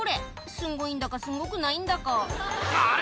すんごいんだかすんごくないんだか「あれ？